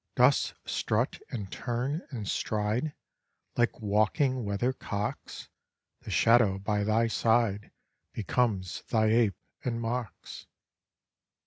Dost strut, and turn, and stride, Like walking weathercocks? The shadow by thy side Becomes thy ape, and mocks.